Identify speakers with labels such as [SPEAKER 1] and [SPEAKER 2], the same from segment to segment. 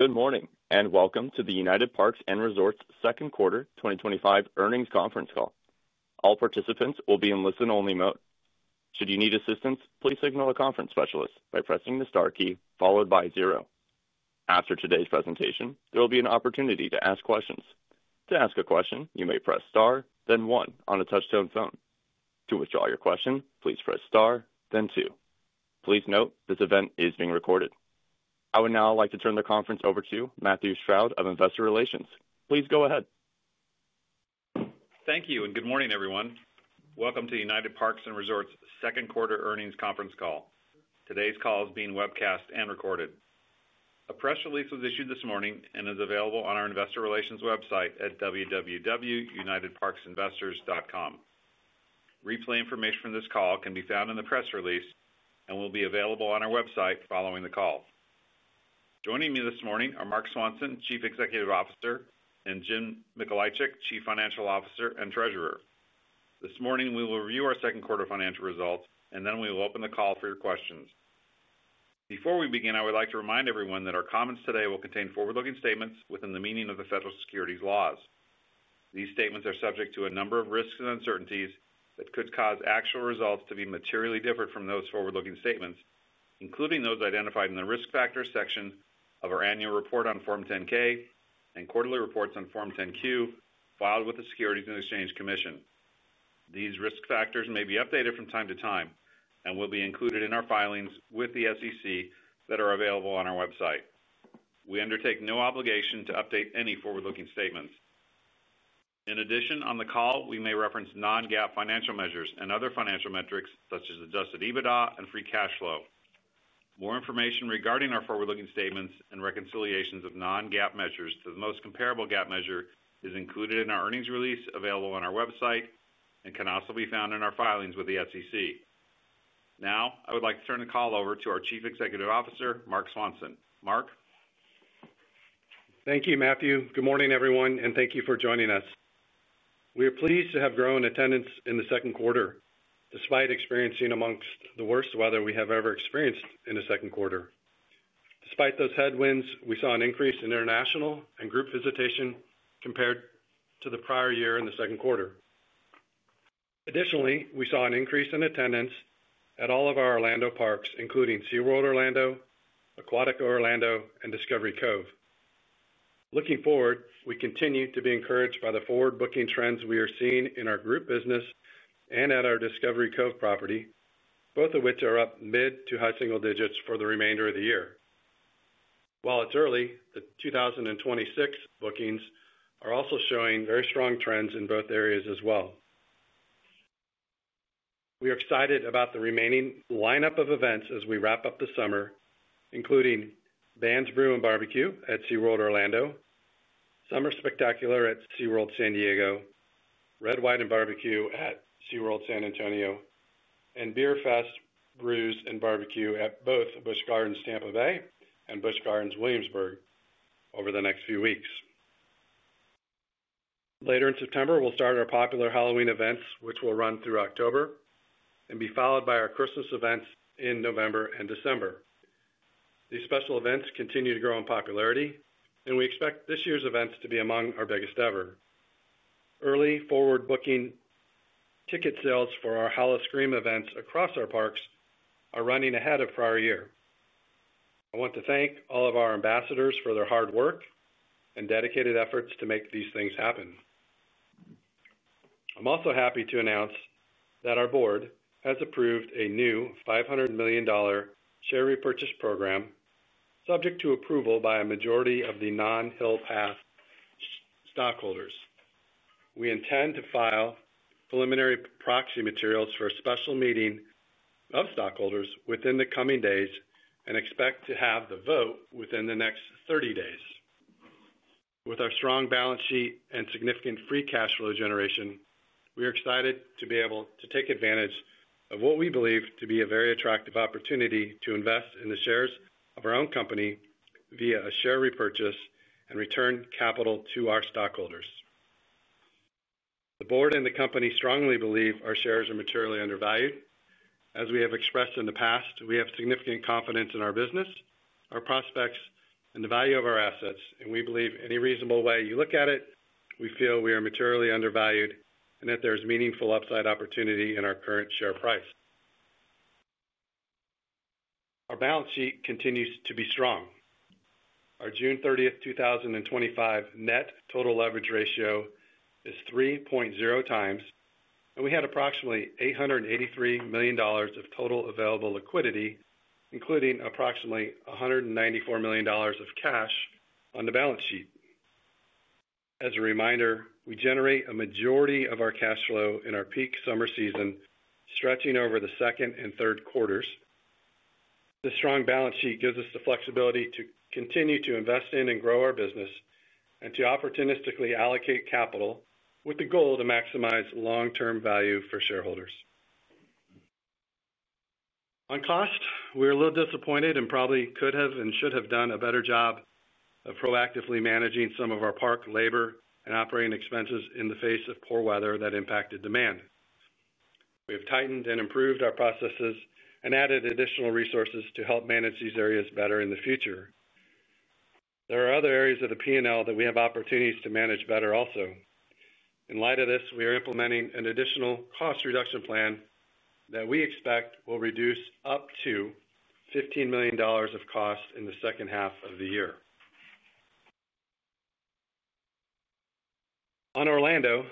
[SPEAKER 1] Good morning and welcome to the United Parks & Resorts Second Quarter 2025 Earnings Conference Call. All participants will be in listen-only mode. Should you need assistance, please signal a conference specialist by pressing the star key followed by zero. After today's presentation, there will be an opportunity to ask questions. To ask a question, you may press star, then one on a touch-tone phone. To withdraw your question, please press star, then two. Please note this event is being recorded. I would now like to turn the conference over to Matthew Stroud of Investor Relations. Please go ahead.
[SPEAKER 2] Thank you and good morning, everyone. Welcome to the United Parks & Resorts Second Quarter Earnings Conference Call. Today's call is being webcast and recorded. A press release was issued this morning and is available on our Investor Relations website at www.unitedparksinvestors.com. Replay information from this call can be found in the press release and will be available on our website following the call. Joining me this morning are Marc Swanson, Chief Executive Officer, and Jim Mikolaichik, Chief Financial Officer and Treasurer. This morning, we will review our second quarter financial results, and then we will open the call for your questions. Before we begin, I would like to remind everyone that our comments today will contain forward-looking statements within the meaning of the Federal Securities Laws. These statements are subject to a number of risks and uncertainties that could cause actual results to be materially different from those forward-looking statements, including those identified in the Risk Factors section of our annual report on Form 10-K and quarterly reports on Form 10-Q filed with the Securities and Exchange Commission. These risk factors may be updated from time to time and will be included in our filings with the SEC that are available on our website. We undertake no obligation to update any forward-looking statements. In addition, on the call, we may reference non-GAAP financial measures and other financial metrics such as adjusted EBITDA and free cash flow. More information regarding our forward-looking statements and reconciliations of non-GAAP measures to the most comparable GAAP measure is included in our earnings release available on our website and can also be found in our filings with the SEC. Now, I would like to turn the call over to our Chief Executive Officer, Marc Swanson. Marc.
[SPEAKER 3] Thank you, Matthew. Good morning, everyone, and thank you for joining us. We are pleased to have grown attendance in the second quarter, despite experiencing among the worst weather we have ever experienced in the second quarter. Despite those headwinds, we saw an increase in international and group visitation compared to the prior year in the second quarter. Additionally, we saw an increase in attendance at all of our Orlando parks, including SeaWorld Orlando, Aquatica Orlando, and Discovery Cove. Looking forward, we continue to be encouraged by the forward booking trends we are seeing in our group business and at our Discovery Cove property, both of which are up mid to high single digits for the remainder of the year. While it's early, the 2026 bookings are also showing very strong trends in both areas as well. We are excited about the remaining lineup of events as we wrap up the summer, including Bands, Brew & BBQ at SeaWorld Orlando, Summer Spectacular at SeaWorld San Diego, Red, White, and BBQ at SeaWorld San Antonio, and Bier Fest Brews & BBQ at both Busch Gardens Tampa Bay and Busch Gardens Williamsburg over the next few weeks. Later in September, we'll start our popular Halloween events, which will run through October and be followed by our Christmas events in November and December. These special events continue to grow in popularity, and we expect this year's events to be among our biggest ever. Early forward booking ticket sales for our Hall of Scream events across our parks are running ahead of prior year. I want to thank all of our ambassadors for their hard work and dedicated efforts to make these things happen. I'm also happy to announce that our board has approved a new $500 million share repurchase program subject to approval by a majority of the non Hill Path stockholders. We intend to file preliminary proxy materials for a special meeting of stockholders within the coming days and expect to have the vote within the next 30 days. With our strong balance sheet and significant free cash flow generation, we are excited to be able to take advantage of what we believe to be a very attractive opportunity to invest in the shares of our own company via a share repurchase and return capital to our stockholders. The board and the company strongly believe our shares are materially undervalued. As we have expressed in the past, we have significant confidence in our business, our prospects, and the value of our assets, and we believe any reasonable way you look at it, we feel we are materially undervalued and that there is meaningful upside opportunity in our current share price. Our balance sheet continues to be strong. Our June 30, 2025 net total leverage ratio is 3.0x, and we had approximately $883 million of total available liquidity, including approximately $194 million of cash on the balance sheet. As a reminder, we generate a majority of our cash flow in our peak summer season, stretching over the second and third quarters. The strong balance sheet gives us the flexibility to continue to invest in and grow our business and to opportunistically allocate capital with the goal to maximize long-term value for shareholders. On cost, we are a little disappointed and probably could have and should have done a better job of proactively managing some of our park labor and operating expenses in the face of poor weather that impacted demand. We have tightened and improved our processes and added additional resources to help manage these areas better in the future. There are other areas of the P&L that we have opportunities to manage better also. In light of this, we are implementing an additional cost reduction plan that we expect will reduce up to $15 million of cost in the second half of the year. On Orlando,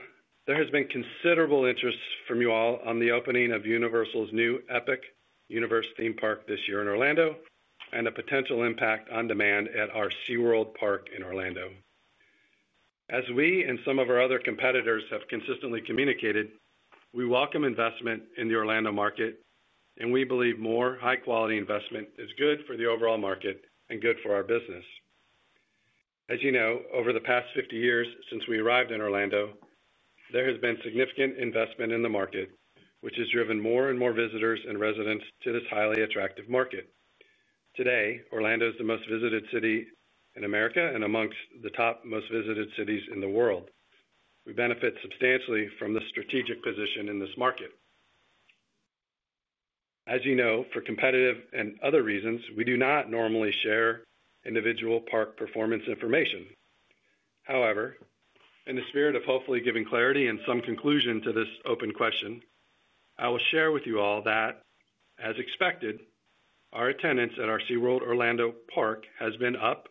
[SPEAKER 3] there has been considerable interest from you all on the opening of Universal’s new Epic Universe theme park this year in Orlando and the potential impact on demand at our SeaWorld Park in Orlando. As we and some of our other competitors have consistently communicated, we welcome investment in the Orlando market, and we believe more high-quality investment is good for the overall market and good for our business. As you know, over the past 50 years since we arrived in Orlando, there has been significant investment in the market, which has driven more and more visitors and residents to this highly attractive market. Today, Orlando is the most visited city in America and amongst the top most visited cities in the world. We benefit substantially from the strategic position in this market. As you know, for competitive and other reasons, we do not normally share individual park performance information. However, in the spirit of hopefully giving clarity and some conclusion to this open question, I will share with you all that, as expected, our attendance at our SeaWorld Orlando park has been up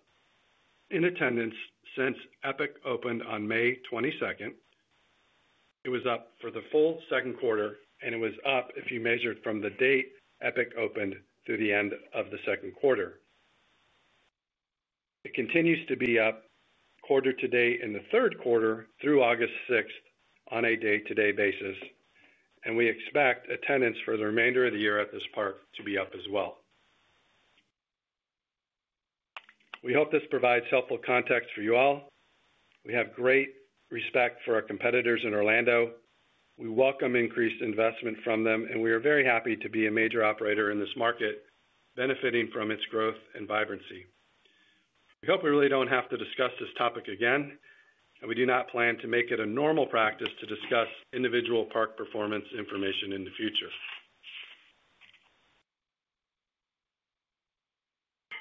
[SPEAKER 3] in attendance since Epic opened on May 22nd. It was up for the full second quarter, and it was up if you measured from the date Epic opened through the end of the second quarter. It continues to be up quarter to date in the third quarter through August 6th on a day-to-day basis, and we expect attendance for the remainder of the year at this park to be up as well. We hope this provides helpful context for you all. We have great respect for our competitors in Orlando. We welcome increased investment from them, and we are very happy to be a major operator in this market, benefiting from its growth and vibrancy. We hope we really don't have to discuss this topic again, and we do not plan to make it a normal practice to discuss individual park performance information in the future.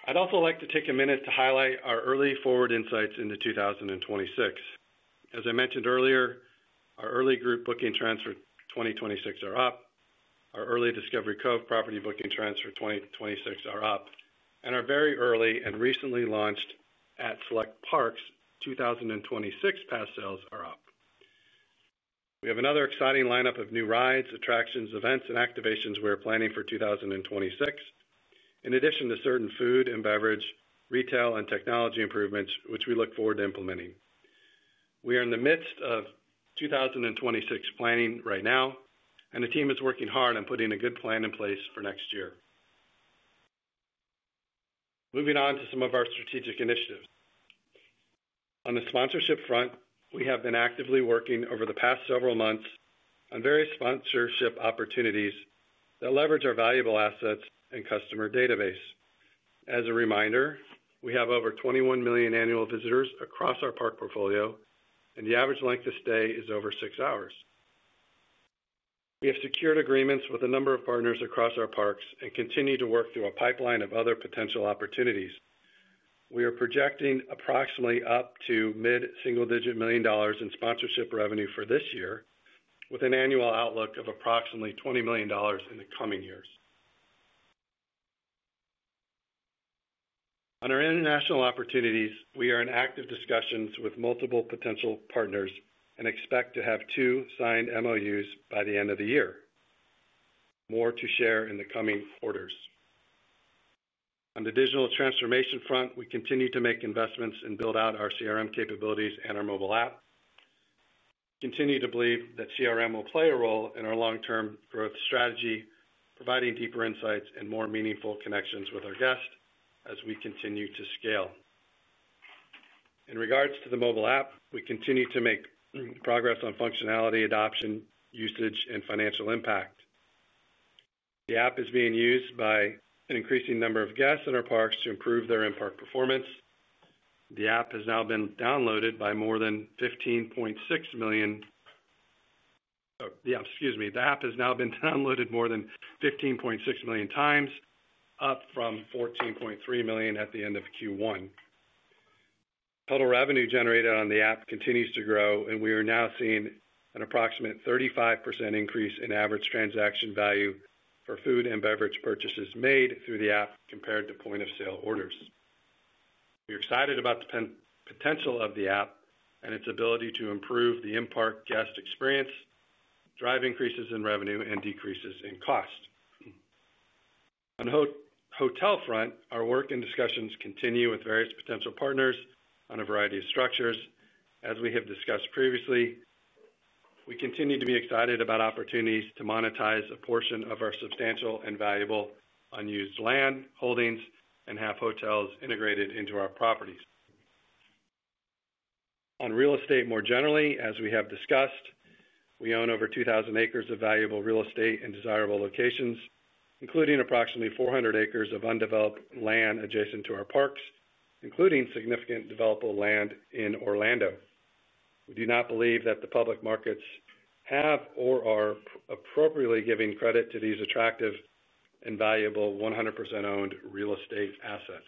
[SPEAKER 3] I'd also like to take a minute to highlight our early forward insights into 2026. As I mentioned earlier, our early group booking trends for 2026 are up, our early Discovery Cove property booking trends for 2026 are up, and our very early and recently launched at select parks 2026 pass sales are up. We have another exciting lineup of new rides, attractions, events, and activations we are planning for 2026, in addition to certain food and beverage, retail, and technology improvements, which we look forward to implementing. We are in the midst of 2026 planning right now, and the team is working hard on putting a good plan in place for next year. Moving on to some of our strategic initiatives. On the sponsorship front, we have been actively working over the past several months on various sponsorship opportunities that leverage our valuable assets and customer database. As a reminder, we have over 21 million annual visitors across our park portfolio, and the average length of stay is over six hours. We have secured agreements with a number of partners across our parks and continue to work through a pipeline of other potential opportunities. We are projecting approximately up to mid-single-digit million dollars in sponsorship revenue for this year, with an annual outlook of approximately $20 million in the coming years. On our international opportunities, we are in active discussions with multiple potential partners and expect to have two signed MOUs by the end of the year. More to share in the coming quarters. On the digital transformation front, we continue to make investments and build out our CRM capabilities and our mobile app. We continue to believe that CRM will play a role in our long-term growth strategy, providing deeper insights and more meaningful connections with our guests as we continue to scale. In regards to the mobile app, we continue to make progress on functionality, adoption, usage, and financial impact. The app is being used by an increasing number of guests in our parks to improve their impact performance. The app has now been downloaded more than 15.6 million times, up from 14.3 million at the end of Q1. Total revenue generated on the app continues to grow, and we are now seeing an approximate 35% increase in average transaction value for food and beverage purchases made through the app compared to point-of-sale orders. We are excited about the potential of the app and its ability to improve the in-park guest experience, drive increases in revenue, and decreases in cost. On the hotel front, our work and discussions continue with various potential partners on a variety of structures. As we have discussed previously, we continue to be excited about opportunities to monetize a portion of our substantial and valuable unused land holdings and have hotels integrated into our properties. On real estate more generally, as we have discussed, we own over 2,000 acres of valuable real estate in desirable locations, including approximately 400 acres of undeveloped land adjacent to our parks, including significant developable land in Orlando. We do not believe that the public markets have or are appropriately giving credit to these attractive and valuable 100% owned real estate assets.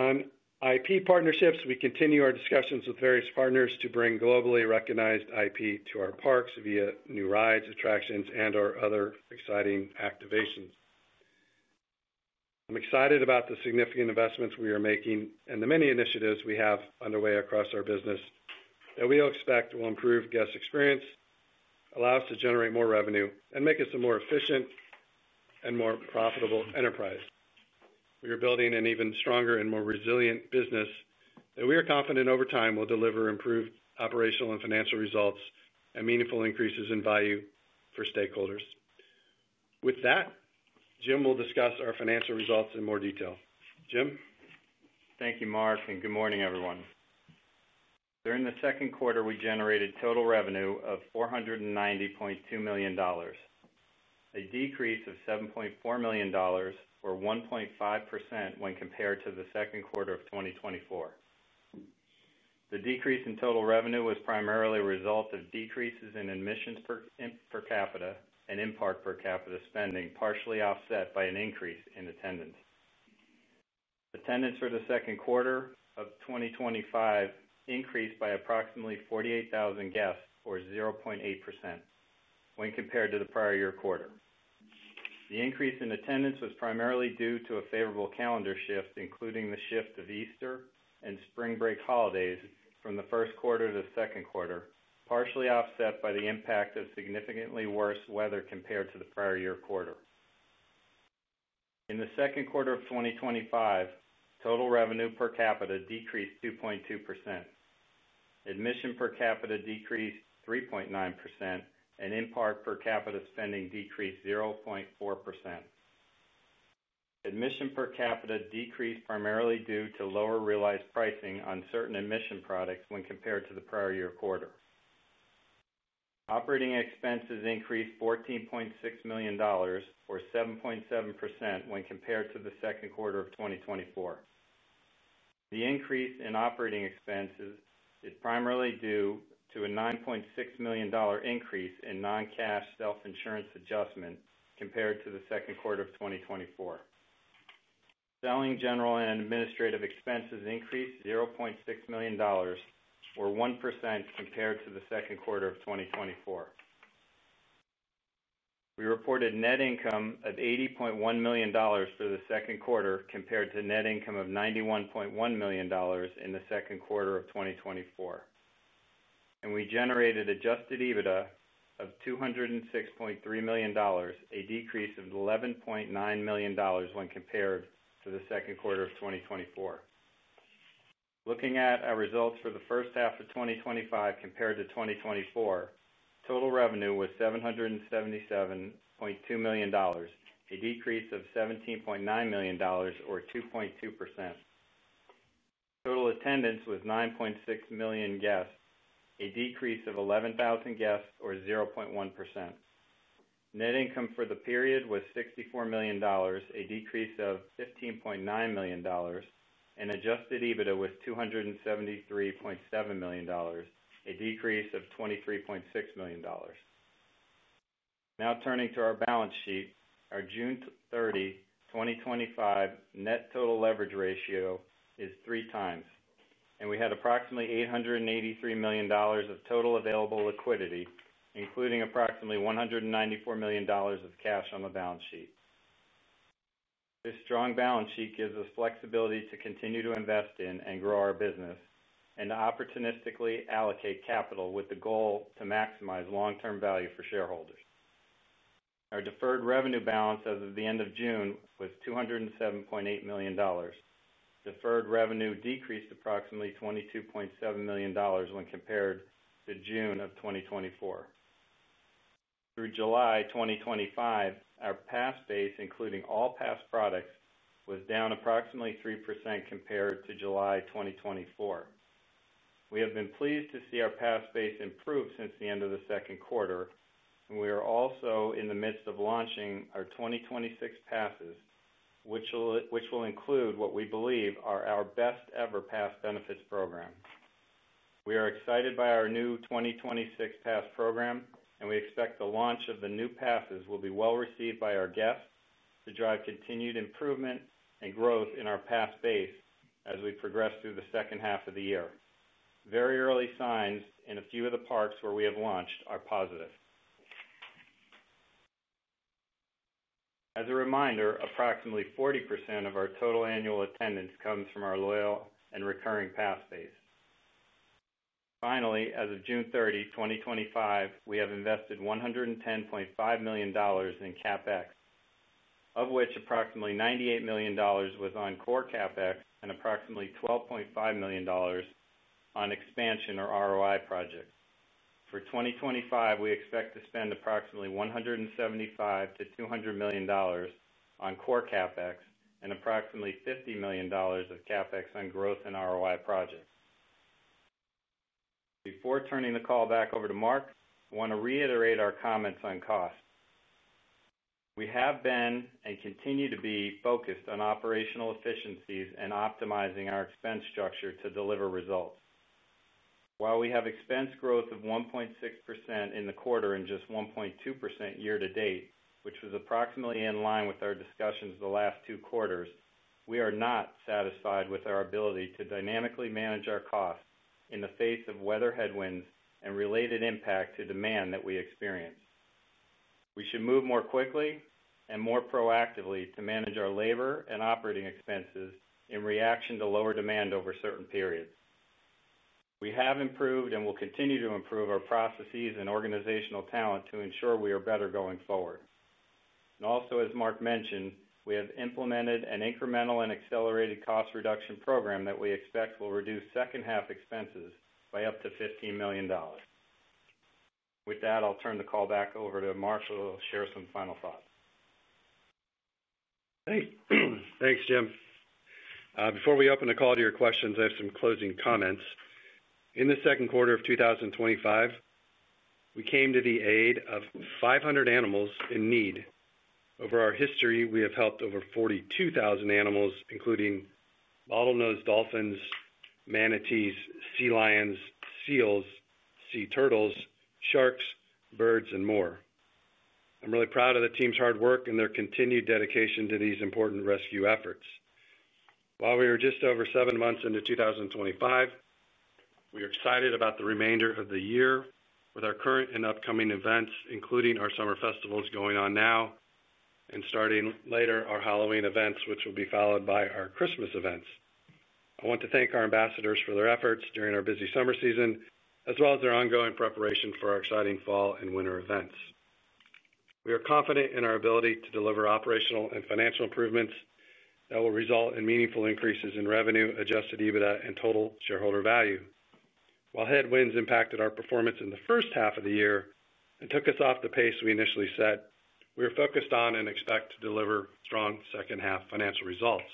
[SPEAKER 3] On IP partnerships, we continue our discussions with various partners to bring globally recognized IP to our parks via new rides, attractions, and/or other exciting activations. I'm excited about the significant investments we are making and the many initiatives we have underway across our business that we expect will improve guest experience, allow us to generate more revenue, and make us a more efficient and more profitable enterprise. We are building an even stronger and more resilient business that we are confident over time will deliver improved operational and financial results and meaningful increases in value for stakeholders. With that, Jim Mikolaichik will discuss our financial results in more detail. Jim?
[SPEAKER 4] Thank you, Marc, and good morning, everyone. During the second quarter, we generated total revenue of $490.2 million, a decrease of $7.4 million or 1.5% when compared to the second quarter of 2024. The decrease in total revenue was primarily a result of decreases in admissions per capita and impact per capita spending, partially offset by an increase in attendance. Attendance for the second quarter of 2025 increased by approximately 48,000 guests or 0.8% when compared to the prior year quarter. The increase in attendance was primarily due to a favorable calendar shift, including the shift of Easter and spring break holidays from the first quarter to the second quarter, partially offset by the impact of significantly worse weather compared to the prior year quarter. In the second quarter of 2025, total revenue per capita decreased 2.2%, admission per capita decreased 3.9%, and impact per capita spending decreased 0.4%. Admission per capita decreased primarily due to lower realized pricing on certain admission products when compared to the prior year quarter. Operating expenses increased $14.6 million or 7.7% when compared to the second quarter of 2024. The increase in operating expenses is primarily due to a $9.6 million increase in non-cash self-insurance adjustment compared to the second quarter of 2024. Selling, general, and administrative expenses increased $0.6 million or 1% compared to the second quarter of 2024. We reported net income of $80.1 million for the second quarter compared to net income of $91.1 million in the second quarter of 2024. We generated adjusted EBITDA of $206.3 million, a decrease of $11.9 million when compared to the second quarter of 2024. Looking at our results for the first half of 2025 compared to 2024, total revenue was $777.2 million, a decrease of $17.9 million or 2.2%. Total attendance was 9.6 million guests, a decrease of 11,000 guests or 0.1%. Net income for the period was $64 million, a decrease of $15.9 million, and adjusted EBITDA was $273.7 million, a decrease of $23.6 million. Now turning to our balance sheet, our June 30, 2025 net total leverage ratio is three times, and we had approximately $883 million of total available liquidity, including approximately $194 million of cash on the balance sheet. This strong balance sheet gives us flexibility to continue to invest in and grow our business and to opportunistically allocate capital with the goal to maximize long-term value for shareholders. Our deferred revenue balance as of the end of June was $207.8 million. Deferred revenue decreased approximately $22.7 million when compared to June of 2024. Through July 2025, our pass base, including all pass products, was down approximately 3% compared to July 2024. We have been pleased to see our pass base improve since the end of the second quarter, and we are also in the midst of launching our 2026 passes, which will include what we believe are our best-ever pass benefits programs. We are excited by our new 2026 pass program, and we expect the launch of the new passes will be well received by our guests to drive continued improvement and growth in our pass base as we progress through the second half of the year. Very early signs in a few of the parks where we have launched are positive. As a reminder, approximately 40% of our total annual attendance comes from our loyal and recurring pass base. Finally, as of June 30, 2025, we have invested $110.5 million in CapEx, of which approximately $98 million was on core CapEx and approximately $12.5 million on expansion or ROI projects. For 2025, we expect to spend approximately $175 million-$200 million on core CapEx and approximately $50 million of CapEx on growth and ROI projects. Before turning the call back over to Marc, I want to reiterate our comments on cost. We have been and continue to be focused on operational efficiencies and optimizing our expense structure to deliver results. While we have expense growth of 1.6% in the quarter and just 1.2% year to date, which was approximately in line with our discussions the last two quarters, we are not satisfied with our ability to dynamically manage our costs in the face of weather headwinds and related impact to demand that we experience. We should move more quickly and more proactively to manage our labor and operating expenses in reaction to lower demand over certain periods. We have improved and will continue to improve our processes and organizational talent to ensure we are better going forward. Also, as Marc mentioned, we have implemented an incremental and accelerated cost reduction program that we expect will reduce second half expenses by up to $15 million. With that, I'll turn the call back over to Marc, who will share some final thoughts.
[SPEAKER 3] Thanks, Jim. Before we open the call to your questions, I have some closing comments. In the second quarter of 2025, we came to the aid of 500 animals in need. Over our history, we have helped over 42,000 animals, including bottlenose dolphins, manatees, sea lions, seals, sea turtles, sharks, birds, and more. I'm really proud of the team's hard work and their continued dedication to these important rescue efforts. While we are just over seven months into 2025, we are excited about the remainder of the year with our current and upcoming events, including our summer festivals going on now and starting later our Halloween events, which will be followed by our Christmas events. I want to thank our ambassadors for their efforts during our busy summer season, as well as their ongoing preparation for our exciting fall and winter events. We are confident in our ability to deliver operational and financial improvements that will result in meaningful increases in revenue, adjusted EBITDA, and total shareholder value. While headwinds impacted our performance in the first half of the year and took us off the pace we initially set, we are focused on and expect to deliver strong second half financial results.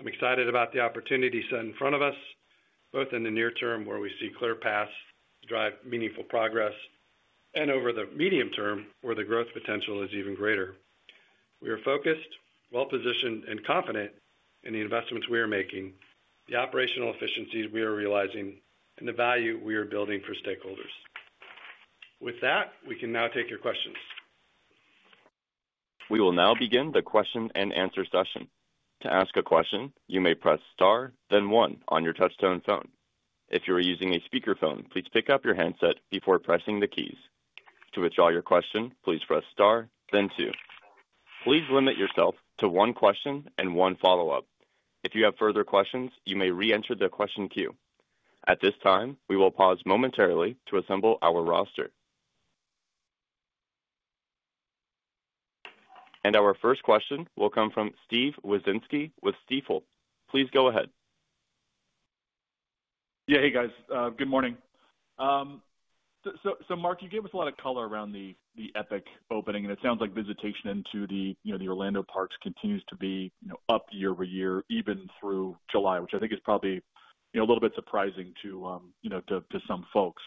[SPEAKER 3] I'm excited about the opportunity set in front of us, both in the near term, where we see clear paths to drive meaningful progress, and over the medium term, where the growth potential is even greater. We are focused, well-positioned, and confident in the investments we are making, the operational efficiencies we are realizing, and the value we are building for stakeholders. With that, we can now take your questions.
[SPEAKER 1] We will now begin the question-and-answer session. To ask a question, you may press star, then one on your touch-tone phone. If you are using a speaker phone, please pick up your handset before pressing the keys. To withdraw your question, please press star, then two. Please limit yourself to one question and one follow-up. If you have further questions, you may re-enter the question queue. At this time, we will pause momentarily to assemble our roster. Our first question will come from Steve Wieczynski with Stifel. Please go ahead.
[SPEAKER 5] Yeah, hey guys, good morning. Marc, you gave us a lot of color around the Epic opening, and it sounds like visitation into the Orlando parks continues to be up year-over-year, even through July, which I think is probably a little bit surprising to some folks.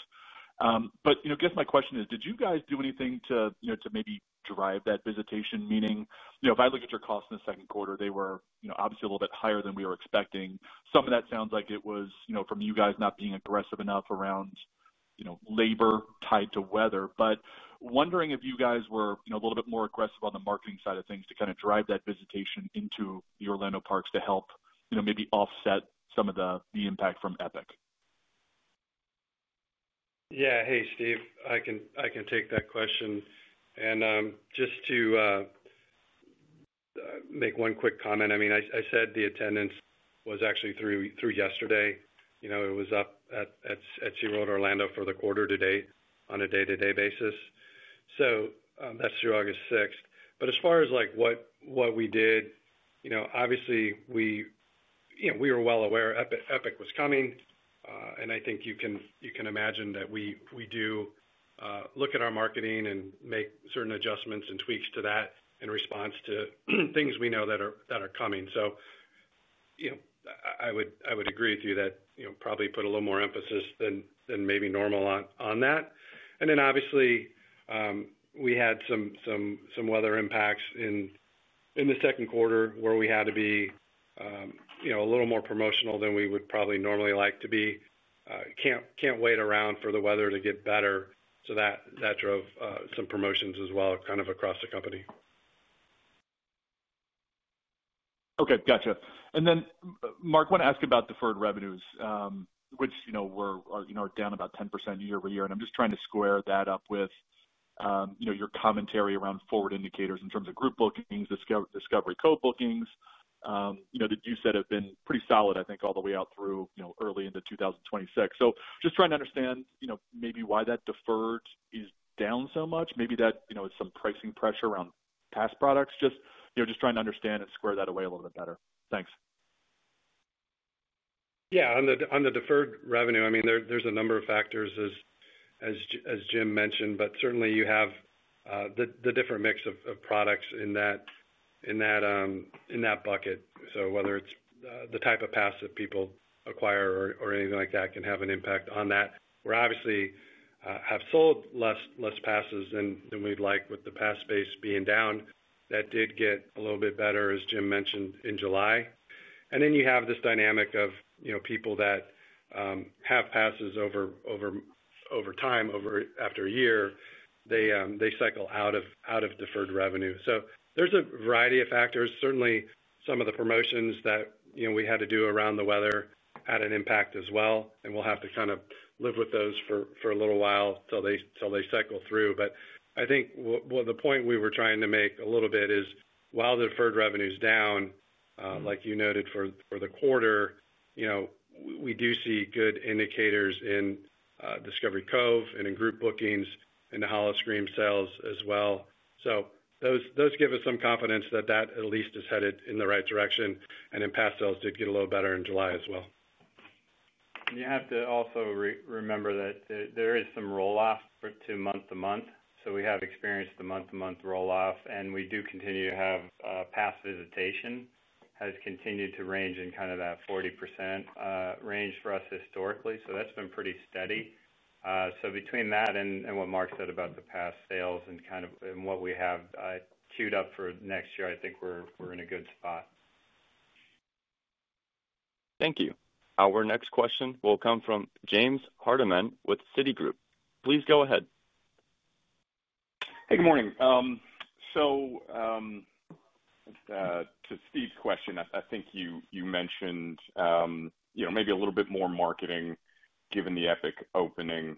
[SPEAKER 5] I guess my question is, did you guys do anything to maybe drive that visitation? Meaning, if I look at your costs in the second quarter, they were obviously a little bit higher than we were expecting. Some of that sounds like it was from you guys not being aggressive enough around labor tied to weather. Wondering if you guys were a little bit more aggressive on the marketing side of things to kind of drive that visitation into the Orlando parks to help maybe offset some of the impact from Epic.
[SPEAKER 3] Yeah, hey Steve, I can take that question. Just to make one quick comment, I mean, I said the attendance was actually through yesterday. It was up at SeaWorld Orlando for the quarter to date on a day-to-day basis. That's through August 6th. As far as what we did, obviously we were well aware Epic was coming. I think you can imagine that we do look at our marketing and make certain adjustments and tweaks to that in response to things we know that are coming. I would agree with you that we probably put a little more emphasis than maybe normal on that. Obviously, we had some weather impacts in the second quarter where we had to be a little more promotional than we would probably normally like to be. Can't wait around for the weather to get better. That drove some promotions as well, kind of across the company.
[SPEAKER 5] Okay, gotcha. Marc, I want to ask about deferred revenues, which are down about 10% year-over-year. I'm just trying to square that up with your commentary around forward indicators in terms of group bookings, Discovery Cove bookings, that you said have been pretty solid, I think, all the way out through early into 2026. I'm trying to understand maybe why that deferred is down so much. Maybe that is some pricing pressure around pass products. Just trying to understand and square that away a little bit better. Thanks.
[SPEAKER 3] Yeah, on the deferred revenue, I mean, there's a number of factors, as Jim mentioned, but certainly you have the different mix of products in that bucket. Whether it's the type of pass that people acquire or anything like that can have an impact on that. We obviously have sold less passes than we'd like with the pass base being down. That did get a little bit better, as Jim mentioned, in July. You have this dynamic of people that have passes over time, over after a year, they cycle out of deferred revenue. There's a variety of factors. Certainly, some of the promotions that we had to do around the weather had an impact as well. We'll have to kind of live with those for a little while till they cycle through. I think the point we were trying to make a little bit is, while the deferred revenue is down, like you noted for the quarter, we do see good indicators in Discovery Cove and in group bookings and the Hall of Scream sales as well. Those give us some confidence that that at least is headed in the right direction. Pass sales did get a little better in July as well.
[SPEAKER 4] You have to also remember that there is some rolloff to month-to-month. We have experienced the month-to-month rolloff, and we do continue to have pass visitation has continued to range in kind of that 40% range for us historically. That's been pretty steady. Between that and what Marc said about the pass sales and kind of what we have queued up for next year, I think we're in a good spot.
[SPEAKER 1] Thank you. Our next question will come from James Hardiman with Citi Group. Please go ahead.
[SPEAKER 6] Good morning. To Steve's question, I think you mentioned maybe a little bit more marketing given the Epic opening.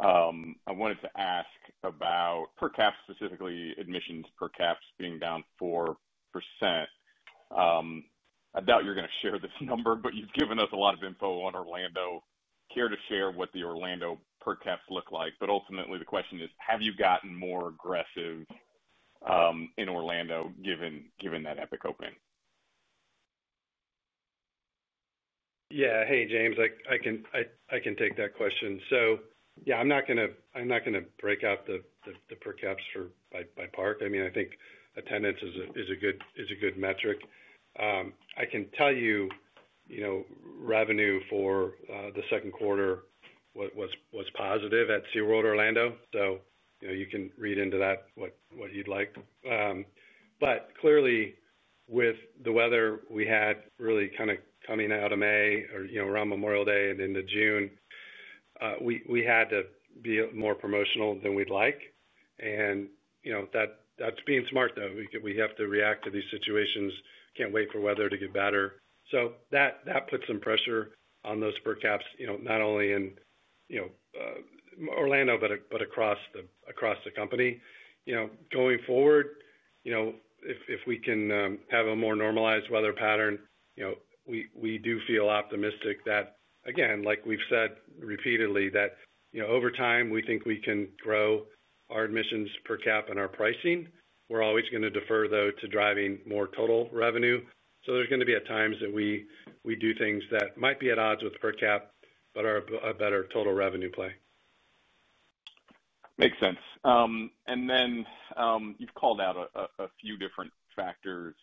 [SPEAKER 6] I wanted to ask about per caps, specifically admissions per caps being down 4%. I doubt you're going to share this number, but you've given us a lot of info on Orlando. Are you able to share what the Orlando per caps look like? Ultimately, the question is, have you gotten more aggressive in Orlando given that Epic opening?
[SPEAKER 3] Yeah, hey James, I can take that question. I'm not going to break out the per caps by park. I mean, I think attendance is a good metric. I can tell you, you know, revenue for the second quarter was positive at SeaWorld Orlando. You can read into that what you'd like. Clearly, with the weather we had really kind of coming out of May or around Memorial Day and into June, we had to be more promotional than we'd like. That's being smart though. We have to react to these situations. Can't wait for weather to get better. That puts some pressure on those per caps, not only in Orlando, but across the company. Going forward, if we can have a more normalized weather pattern, we do feel optimistic that, again, like we've said repeatedly, over time we think we can grow our admissions per cap and our pricing. We're always going to defer though to driving more total revenue. There are going to be times that we do things that might be at odds with per cap, but are a better total revenue play.
[SPEAKER 6] Makes sense. You've called out a few different factors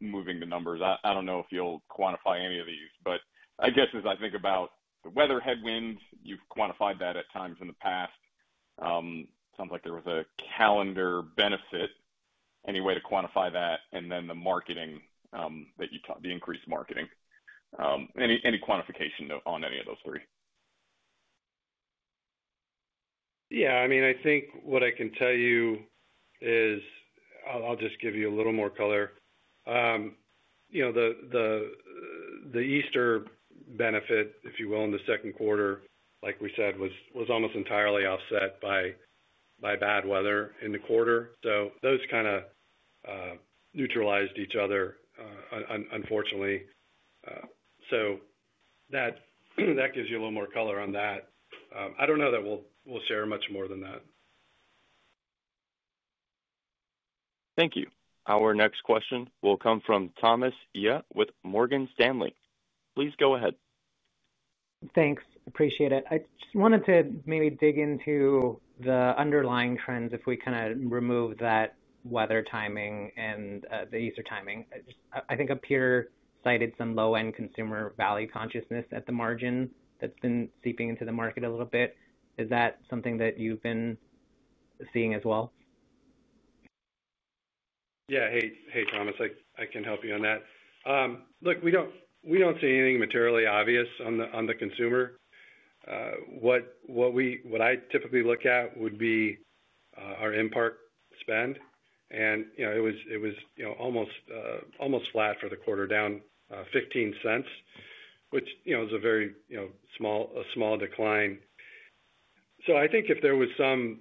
[SPEAKER 6] moving the numbers. I don't know if you'll quantify any of these, but I guess as I think about the weather headwinds, you've quantified that at times in the past. It sounds like there was a calendar benefit, any way to quantify that, and then the marketing that you taught, the increased marketing. Any quantification on any of those three?
[SPEAKER 3] Yeah, I mean, I think what I can tell you is I'll just give you a little more color. You know, the Easter benefit, if you will, in the second quarter, like we said, was almost entirely offset by bad weather in the quarter. Those kind of neutralized each other, unfortunately. That gives you a little more color on that. I don't know that we'll share much more than that.
[SPEAKER 1] Thank you. Our next question will come from Thomas Yeh with Morgan Stanley. Please go ahead.
[SPEAKER 7] Thanks. Appreciate it. I just wanted to maybe dig into the underlying trends if we kind of remove that weather timing and the Easter timing. I think up here cited some low-end consumer value consciousness at the margin that's been seeping into the market a little bit. Is that something that you've been seeing as well?
[SPEAKER 3] Yeah, hey Thomas, I can help you on that. Look, we don't see anything materially obvious on the consumer. What I typically look at would be our impact spend, and it was almost flat for the quarter, down $0.15, which is a very small decline. I think if there was some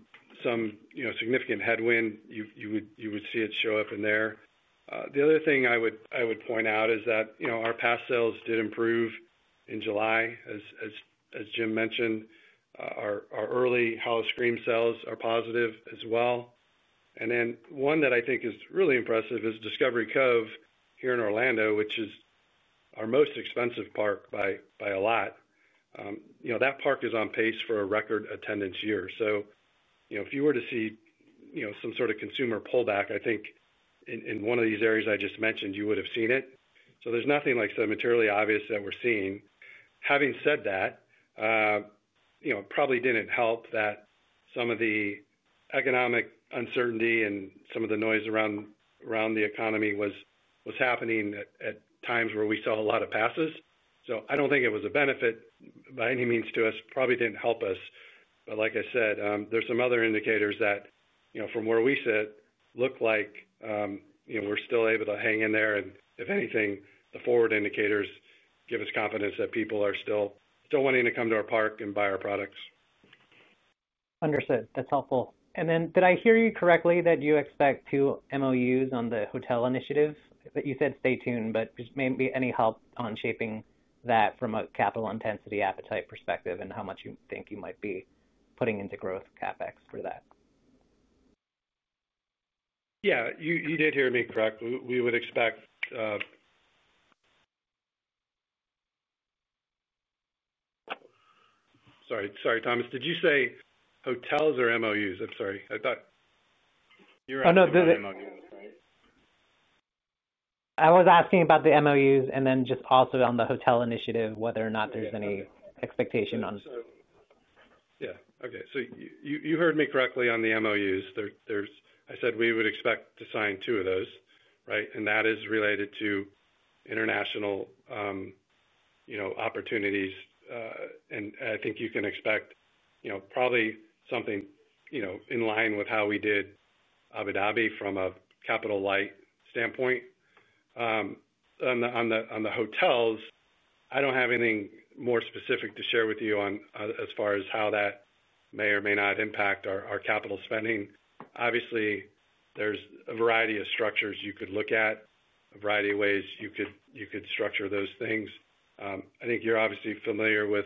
[SPEAKER 3] significant headwind, you would see it show up in there. The other thing I would point out is that our pass sales did improve in July, as Jim mentioned. Our early Hall of Scream sales are positive as well. One that I think is really impressive is Discovery Cove here in Orlando, which is our most expensive park by a lot. That park is on pace for a record attendance year. If you were to see some sort of consumer pullback, I think in one of these areas I just mentioned, you would have seen it. There is nothing like the materially obvious that we're seeing. Having said that, it probably didn't help that some of the economic uncertainty and some of the noise around the economy was happening at times where we saw a lot of passes. I don't think it was a benefit by any means to us. It probably didn't help us. Like I said, there are some other indicators that, from where we sit, look like we're still able to hang in there. If anything, the forward indicators give us confidence that people are still wanting to come to our park and buy our products.
[SPEAKER 7] Understood. That's helpful. Did I hear you correctly that you expect two MOUs on the hotel initiative? You said stay tuned, but just maybe any help on shaping that from a capital intensity appetite perspective and how much you think you might be putting into growth CapEx for that.
[SPEAKER 3] Yeah, you did hear me correct. We would expect... Sorry, Thomas, did you say hotels or MOUs? I'm sorry.
[SPEAKER 7] Oh, I was asking about the MOUs and then also on the hotel initiative, whether or not there's any expectation on...
[SPEAKER 3] Yeah, okay. You heard me correctly on the MOUs. I said we would expect to sign two of those, right? That is related to international opportunities. I think you can expect probably something in line with how we did Abu Dhabi from a Capital Light standpoint. On the hotels, I don't have anything more specific to share with you as far as how that may or may not impact our capital spending. Obviously, there's a variety of structures you could look at, a variety of ways you could structure those things. I think you're obviously familiar with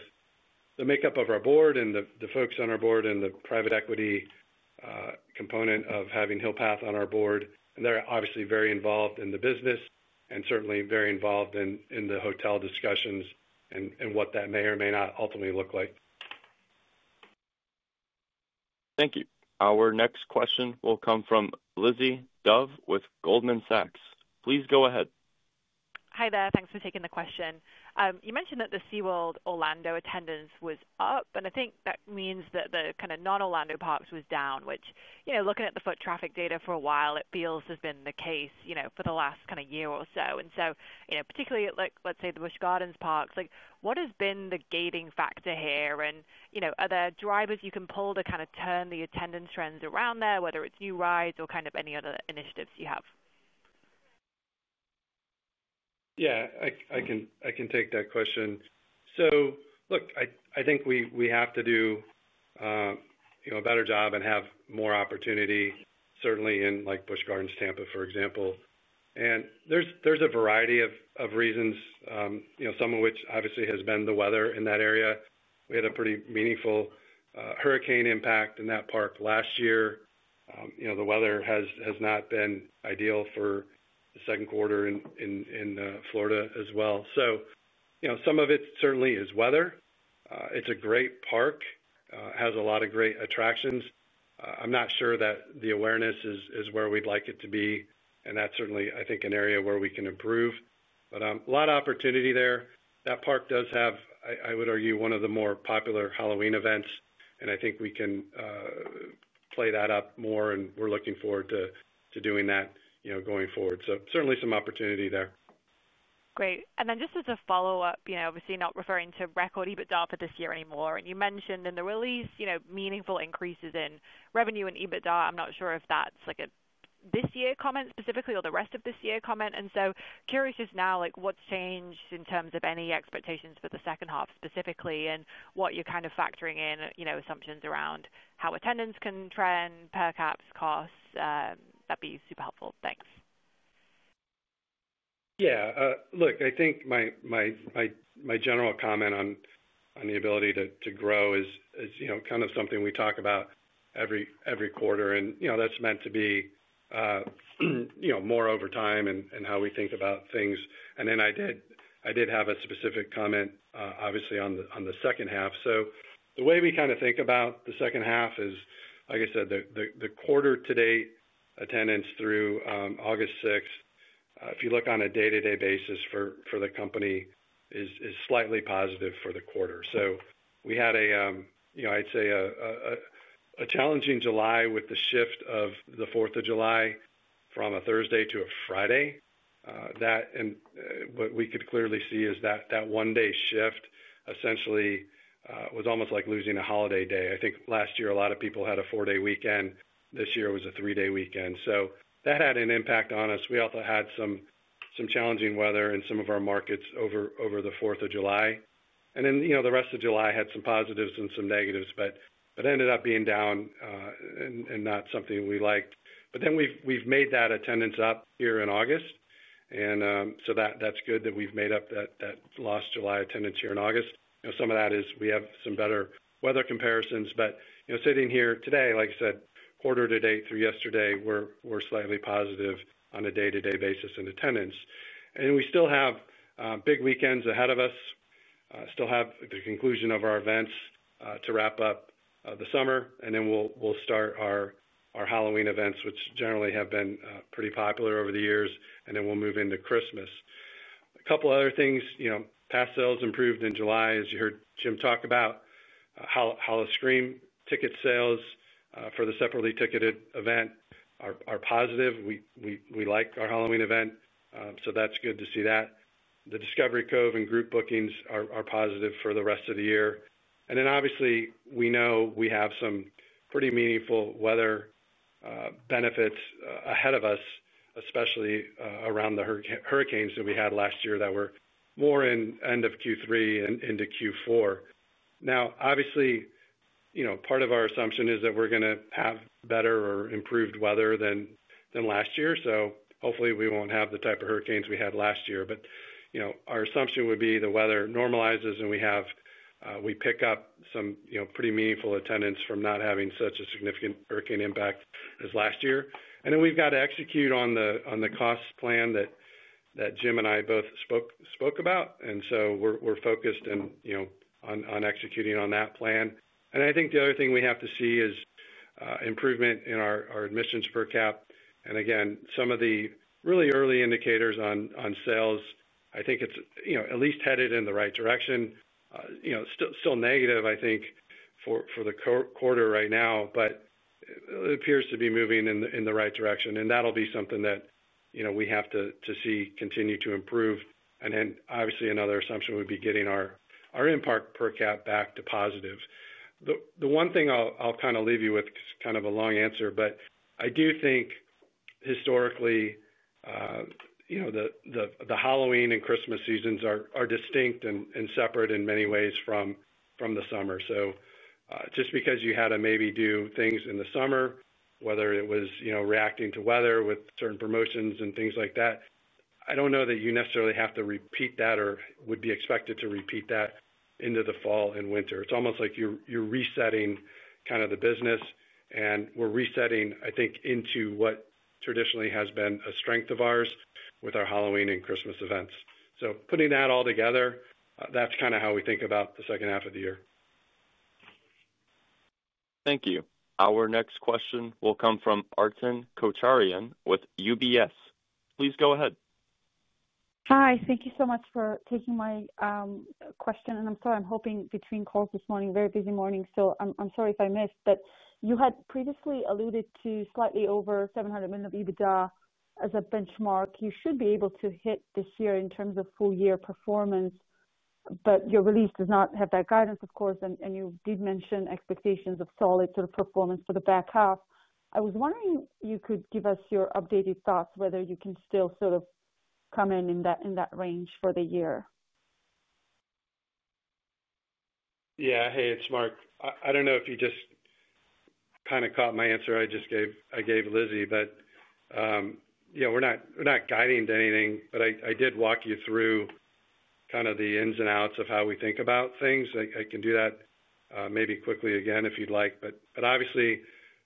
[SPEAKER 3] the makeup of our board and the folks on our board and the private equity component of having Hill Path on our board. They're obviously very involved in the business and certainly very involved in the hotel discussions and what that may or may not ultimately look like.
[SPEAKER 1] Thank you. Our next question will come from Lizzie Dove with Goldman Sachs. Please go ahead.
[SPEAKER 8] Hi there, thanks for taking the question. You mentioned that the SeaWorld Orlando attendance was up, and I think that means that the kind of non-Orlando parks was down, which, looking at the foot traffic data for a while, it feels has been the case for the last year or so. Particularly, let's say the Busch Gardens parks, what has been the gating factor here? Are there drivers you can pull to turn the attendance trends around there, whether it's new rides or any other initiatives you have?
[SPEAKER 3] Yeah, I can take that question. Look, I think we have to do a better job and have more opportunity, certainly in like Busch Gardens Tampa, for example. There's a variety of reasons, some of which obviously has been the weather in that area. We had a pretty meaningful hurricane impact in that park last year. The weather has not been ideal for the second quarter in Florida as well. Some of it certainly is weather. It's a great park, has a lot of great attractions. I'm not sure that the awareness is where we'd like it to be, and that's certainly, I think, an area where we can improve. A lot of opportunity there. That park does have, I would argue, one of the more popular Halloween events, and I think we can play that up more, and we're looking forward to doing that going forward. Certainly some opportunity there.
[SPEAKER 8] Great. Just as a follow-up, obviously not referring to record EBITDA for this year anymore. You mentioned in the release meaningful increases in revenue and EBITDA. I'm not sure if that's like a this year comment specifically or the rest of this year comment. Curious just now, what's changed in terms of any expectations for the second half specifically and what you're kind of factoring in, assumptions around how attendance can trend, per caps, costs. That'd be super helpful. Thanks.
[SPEAKER 3] Yeah, look, I think my general comment on the ability to grow is kind of something we talk about every quarter. That's meant to be more over time and how we think about things. I did have a specific comment, obviously, on the second half. The way we kind of think about the second half is, like I said, the quarter-to-date attendance through August 6th, if you look on a day-to-day basis for the company, is slightly positive for the quarter. We had a challenging July with the shift of the 4th of July from a Thursday to a Friday. What we could clearly see is that the one-day shift essentially was almost like losing a holiday day. I think last year a lot of people had a four-day weekend. This year it was a three-day weekend. That had an impact on us. We also had some challenging weather in some of our markets over the 4th of July. The rest of July had some positives and some negatives, but ended up being down and not something we liked. We've made that attendance up here in August. That's good that we've made up that lost July attendance here in August. Some of that is we have some better weather comparisons, but sitting here today, like I said, quarter-to-date through yesterday, we're slightly positive on a day-to-day basis in attendance. We still have big weekends ahead of us and still have the conclusion of our events to wrap up the summer. We'll start our Halloween events, which generally have been pretty popular over the years, and then we'll move into Christmas. A couple other things, pass sales improved in July, as you heard Jim talk about. Hall of Scream ticket sales for the separately ticketed event are positive. We like our Halloween event, so that's good to see that. The Discovery Cove and group bookings are positive for the rest of the year. Obviously, we know we have some pretty meaningful weather benefits ahead of us, especially around the hurricanes that we had last year that were more in end of Q3 and into Q4. Obviously, part of our assumption is that we're going to have better or improved weather than last year. Hopefully we won't have the type of hurricanes we had last year. Our assumption would be the weather normalizes and we pick up some pretty meaningful attendance from not having such a significant hurricane impact as last year. We have to execute on the cost plan that Jim and I both spoke about. We're focused on executing on that plan. I think the other thing we have to see is improvement in our admissions per cap. Some of the really early indicators on sales, I think it's at least headed in the right direction. Still negative, I think, for the quarter right now, but it appears to be moving in the right direction. That'll be something that we have to see continue to improve. Obviously, another assumption would be getting our impact per cap back to positive. The one thing I'll kind of leave you with is kind of a long answer, but I do think historically the Halloween and Christmas seasons are distinct and separate in many ways from the summer. Just because you had to maybe do things in the summer, whether it was reacting to weather with certain promotions and things like that, I don't know that you necessarily have to repeat that or would be expected to repeat that into the fall and winter. It's almost like you're resetting kind of the business. We're resetting, I think, into what traditionally has been a strength of ours with our Halloween and Christmas events. Putting that all together, that's kind of how we think about the second half of the year.
[SPEAKER 1] Thank you. Our next question will come from Arpine Kocharian with UBS. Please go ahead.
[SPEAKER 9] Hi, thank you so much for taking my question. I'm sorry, I'm hopping between calls this morning, very busy morning still. I'm sorry if I missed, but you had previously alluded to slightly over $700 million of EBITDA as a benchmark you should be able to hit this year in terms of full year performance. Your release does not have that guidance, of course, and you did mention expectations of solid sort of performance for the back half. I was wondering if you could give us your updated thoughts whether you can still sort of come in in that range for the year.
[SPEAKER 3] Yeah, hey, it's Marc. I don't know if you just kind of caught my answer I just gave Lizzie, but you know, we're not guiding to anything, but I did walk you through kind of the ins and outs of how we think about things. I can do that maybe quickly again if you'd like. Obviously,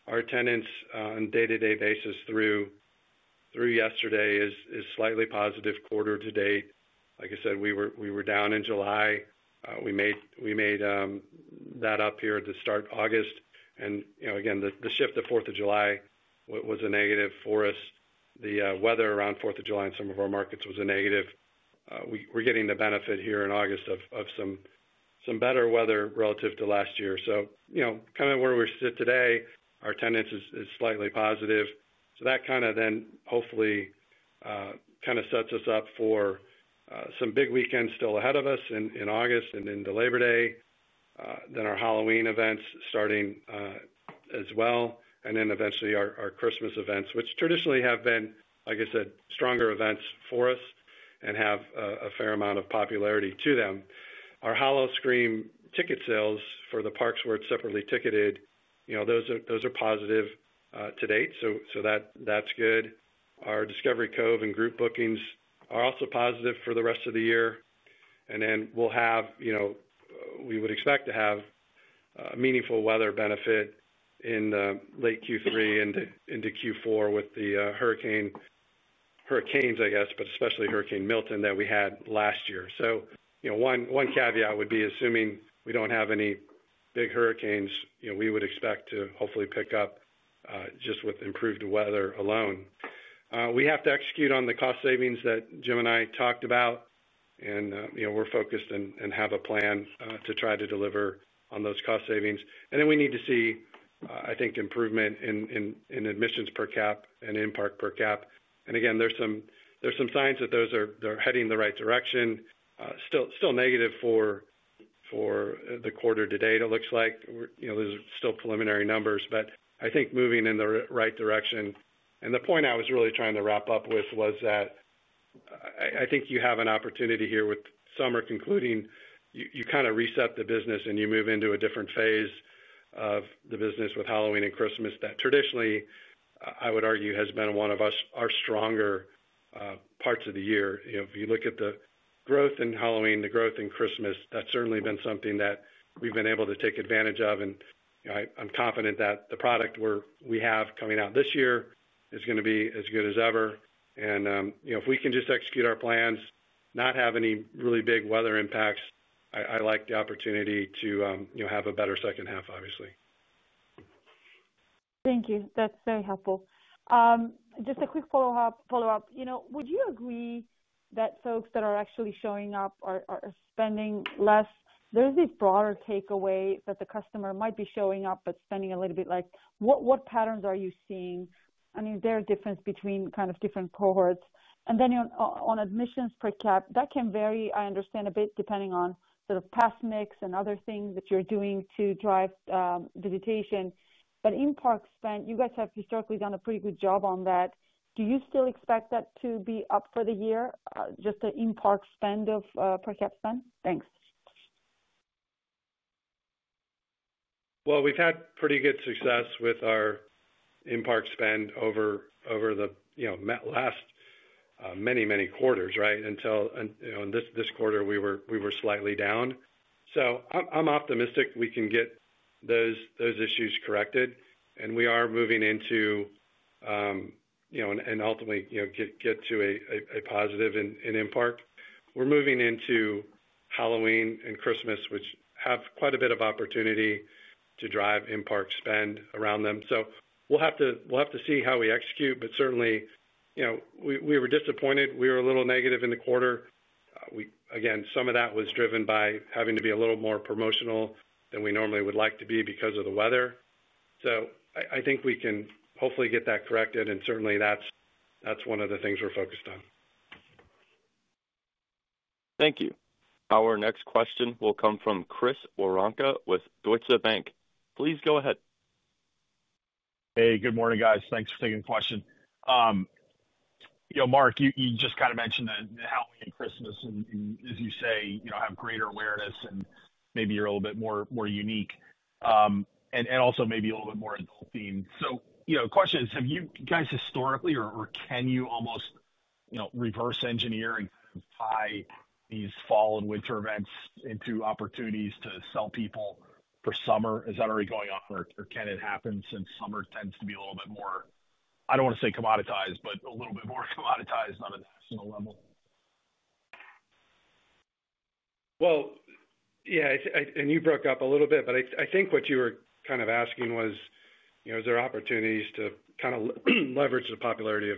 [SPEAKER 3] our attendance on a day-to-day basis through yesterday is slightly positive quarter to date. Like I said, we were down in July. We made that up here at the start of August. The shift of 4th of July was a negative for us. The weather around 4th of July in some of our markets was a negative. We're getting the benefit here in August of some better weather relative to last year. Kind of where we sit today, our attendance is slightly positive. That kind of then hopefully sets us up for some big weekends still ahead of us in August and into Labor Day. Our Halloween events are starting as well. Eventually our Christmas events, which traditionally have been, like I said, stronger events for us and have a fair amount of popularity to them. Our Hall of Scream ticket sales for the parks where it's separately ticketed, those are positive to date. That's good. Our Discovery Cove and group bookings are also positive for the rest of the year. We would expect to have a meaningful weather benefit in late Q3 and into Q4 with the hurricanes, I guess, but especially Hurricane Milton that we had last year. One caveat would be assuming we don't have any big hurricanes, we would expect to hopefully pick up just with improved weather alone. We have to execute on the cost savings that Jim and I talked about. We're focused and have a plan to try to deliver on those cost savings. We need to see, I think, improvement in admissions per cap and impact per cap. Again, there's some signs that those are heading in the right direction. Still negative for the quarter to date it looks like. There's still preliminary numbers, but I think moving in the right direction. The point I was really trying to wrap up with was that I think you have an opportunity here with summer concluding, you kind of reset the business and you move into a different phase of the business with Halloween and Christmas that traditionally, I would argue, has been one of our stronger parts of the year. If you look at the growth in Halloween, the growth in Christmas, that's certainly been something that we've been able to take advantage of. I'm confident that the product we have coming out this year is going to be as good as ever. If we can just execute our plans, not have any really big weather impacts, I like the opportunity to have a better second half, obviously.
[SPEAKER 9] Thank you. That's very helpful. Just a quick follow-up. Would you agree that folks that are actually showing up are spending less? There's this broader takeaway that the customer might be showing up, but spending a little bit. What patterns are you seeing? There are differences between kind of different cohorts. On admissions per cap, that can vary, I understand, a bit depending on sort of pass mix and other things that you're doing to drive visitation. In park spend, you guys have historically done a pretty good job on that. Do you still expect that to be up for the year, just the in park spend of per cap spend? Thanks.
[SPEAKER 3] We've had pretty good success with our in park spend over the last many, many quarters, right? Until, you know, in this quarter, we were slightly down. I'm optimistic we can get those issues corrected. We are moving into, you know, and ultimately, you know, get to a positive in in park. We're moving into Halloween and Christmas, which have quite a bit of opportunity to drive in park spend around them. We'll have to see how we execute, but certainly, you know, we were disappointed. We were a little negative in the quarter. Again, some of that was driven by having to be a little more promotional than we normally would like to be because of the weather. I think we can hopefully get that corrected, and certainly that's one of the things we're focused on.
[SPEAKER 1] Thank you. Our next question will come from Chris Woronka with Deutsche Bank. Please go ahead.
[SPEAKER 10] Hey, good morning guys. Thanks for taking the question. Marc, you just kind of mentioned that in the Halloween and Christmas, and as you say, have greater awareness and maybe you're a little bit more unique, and also maybe a little bit more adult-themed. The question is, have you guys historically, or can you almost reverse engineer and tie these fall and winter events into opportunities to sell people for summer? Is that already going on, or can it happen since summer tends to be a little bit more, I don't want to say commoditized, but a little bit more commoditized on a national level?
[SPEAKER 3] I think what you were kind of asking was, you know, is there opportunities to kind of leverage the popularity of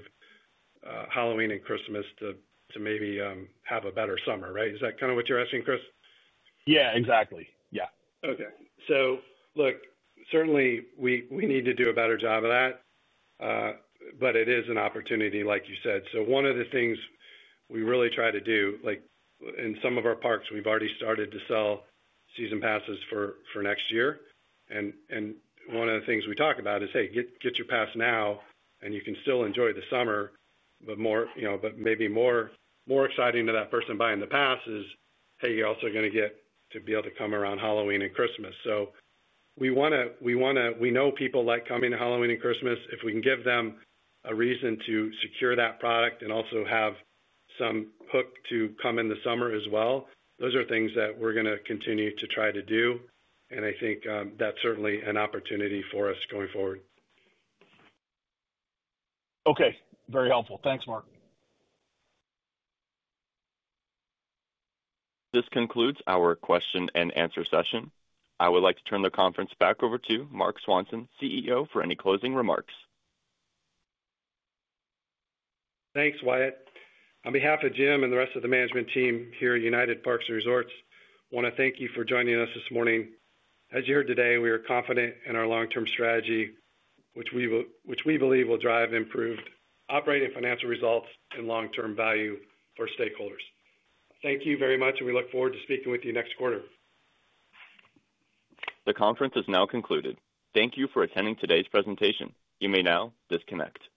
[SPEAKER 3] Halloween and Christmas to maybe have a better summer, right? Is that kind of what you're asking, Chris?
[SPEAKER 10] Yeah, exactly. Yeah.
[SPEAKER 3] Certainly, we need to do a better job of that, but it is an opportunity, like you said. One of the things we really try to do, like in some of our parks, we've already started to sell season passes for next year. One of the things we talk about is, hey, get your pass now, and you can still enjoy the summer, but maybe more exciting to that person buying the pass is, hey, you're also going to get to be able to come around Halloween and Christmas. We know people like coming to Halloween and Christmas. If we can give them a reason to secure that product and also have some hook to come in the summer as well, those are things that we're going to continue to try to do. I think that's certainly an opportunity for us going forward.
[SPEAKER 10] Okay, very helpful. Thanks, Marc.
[SPEAKER 1] This concludes our question-and-answer session. I would like to turn the conference back over to Marc Swanson, CEO, for any closing remarks.
[SPEAKER 3] Thanks, Wyatt. On behalf of Jim and the rest of the management team here at United Parks & Resorts, I want to thank you for joining us this morning. As you heard today, we are confident in our long-term strategy, which we believe will drive improved operating financial results and long-term value for stakeholders. Thank you very much, and we look forward to speaking with you next quarter.
[SPEAKER 1] The conference is now concluded. Thank you for attending today's presentation. You may now disconnect.